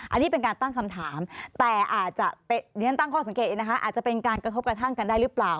อันนี้เป็นการตั้งคำถามแต่อาจจะเป็นการกระทบกระทั่งกันได้หรือเปล่า